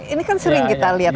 ini kan sering kita lihat